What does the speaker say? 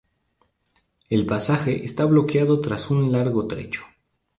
El pasaje está bloqueado tras un largo trecho.